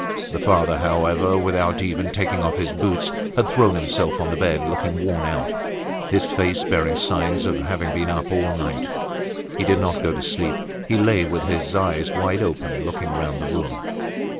The father however, without even taking off his boots, had thrown himself on the bed looking worn out, his face bearing signs of having been up all night. He did not go to sleep, he lay with his eyes wide open, looking round the room.